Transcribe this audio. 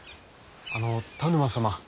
あの田沼様！